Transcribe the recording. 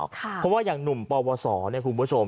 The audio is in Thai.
เพราะว่าอย่างหนุ่มปวสเนี่ยคุณผู้ชม